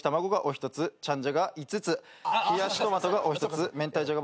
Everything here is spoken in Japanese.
チャンジャが五つ冷やしトマトがお一つめんたいジャガ